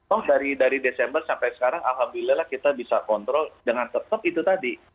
oh dari desember sampai sekarang alhamdulillah kita bisa kontrol dengan tetap itu tadi